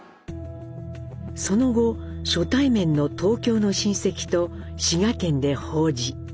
その後初対面の東京の親戚と滋賀県で法事。